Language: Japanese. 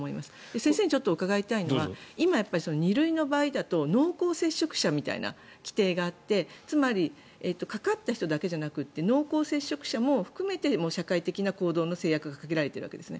先生に伺いたいのは今２類の場合だと濃厚接触者みたいな規定があってつまりかかった人だけじゃなくて濃厚接触者も含めて社会的な行動の制約がかけられてるわけですね。